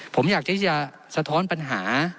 ผมอยากที่จะสะท้อนปัญหา